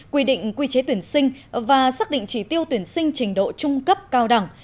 quy định quy chế tuyển sinh và xác định chỉ tiêu tuyển sinh trình độ trung cấp cao đẳng